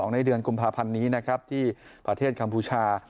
ในเดือนกุมภาพันธ์นี้นะครับที่ประเทศกัมพูชา